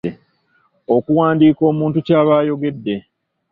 Okuwandiika omuntu ky’aba ayogedde.